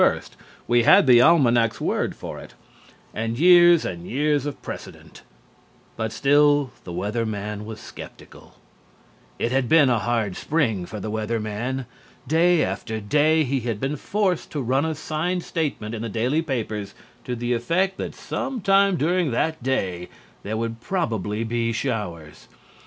We had the almanac's word for it and years and years of precedent, but still the Weather Man was skeptical. It had been a hard spring for the Weather Man. Day after day he had been forced to run a signed statement in the daily papers to the effect that some time during that day there would probably be showers.